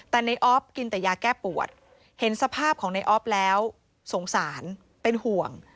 แต่ในออฟกินแต่ยาแก้ปวดเห็นสภาพของในออฟแล้วสงสารเป็นห่วง